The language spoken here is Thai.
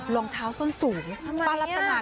รองเท้าส้นสูงป้ารัตนา